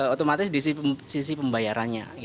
otomatis di sisi pembayarannya